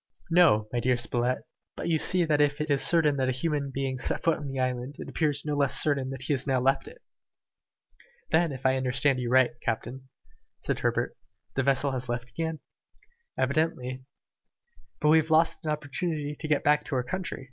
"No, my dear Spilett, but you see that if it is certain that a human being set foot on the island, it appears no less certain that he has now left it." "Then, if I understand you right, captain," said Herbert, "the vessel has left again?" "Evidently." "And we have lost an opportunity to get back to our country?"